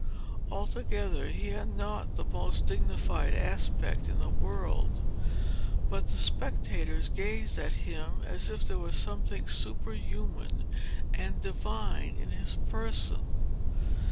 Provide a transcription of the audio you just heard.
Altogether, he had not the most dignified aspect in the world; but the spectators gazed at him as if there was something superhuman and divine in his person.